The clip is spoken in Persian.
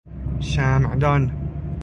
شمعدان